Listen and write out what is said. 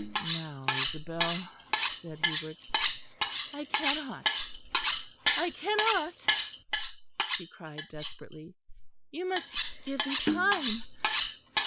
"Now, Isabel," said Hubert. "I cannot, I cannot," she cried desperately, "you must give me time.